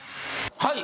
はい！